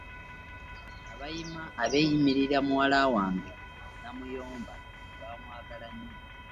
Abayima abeeyimirira muwala wange Namuyomba bamwagala nnyo.